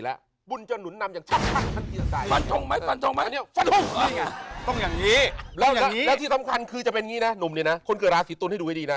แล้วน่องไหมที่สำคัญคือจะเป็นเงี้ยนุ่มนี่นะเพิ่มเกือบราชีตุ้นให้ดูให้ดีนะ